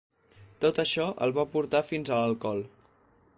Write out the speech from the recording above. Tot això el va portar fins a l'alcohol.